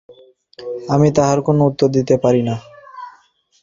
আমি তাহার কোনো উত্তর দিতে পারি না।